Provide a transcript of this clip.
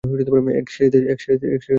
এক সারিতে দাঁড়াও!